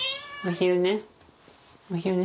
お昼寝？